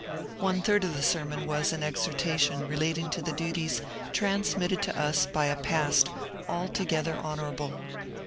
One third of the sermon was an exhortation relating to the duties transmitted to us by a Past altogether honourable.